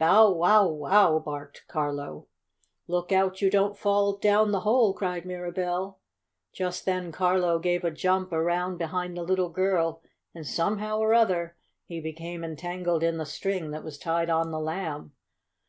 "Bow wow! Wow!" barked Carlo. "Look out you don't fall down the hole!" cried Mirabell. Just then Carlo gave a jump around behind the little girl, and, somehow or other, he became entangled in the string that was tied on the Lamb.